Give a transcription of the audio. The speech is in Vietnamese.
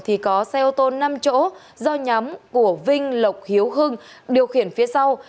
thì có xe ô tô năm chỗ do nhóm của vinh lộc hiếu hưng điều khiển phía sau